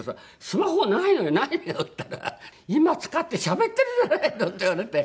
スマホないのよ」って言ったら「今使ってしゃべってるじゃないの！」って言われて。